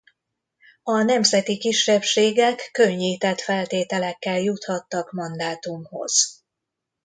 A nemzeti kisebbségek könnyített feltételekkel juthattak mandátumhoz.